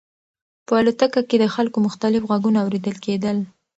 په الوتکه کې د خلکو مختلف غږونه اورېدل کېدل.